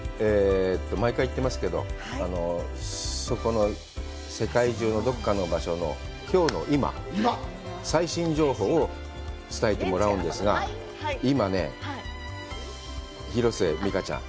毎回言ってますけど、世界中のどこかの場所のきょうの今、最新情報を伝えてもらうんですが、今ね、広瀬未花ちゃん。